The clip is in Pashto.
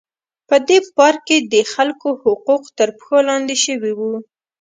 په دې پارک کې د خلکو حقوق تر پښو لاندې شوي وو.